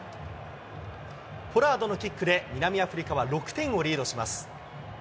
ポラードのキックで、南アフリカは６点をリードします。